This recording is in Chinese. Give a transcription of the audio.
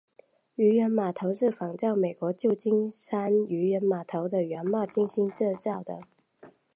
渔人码头是仿照美国旧金山渔人码头的原貌精心建造的。